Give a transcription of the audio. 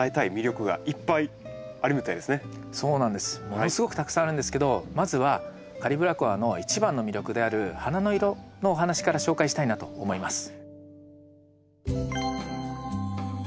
ものすごくたくさんあるんですけどまずはカリブラコアの一番の魅力である花の色のお話から紹介したいなと思います。